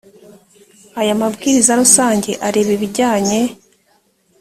aya mabwiriza rusange areba ibijyanye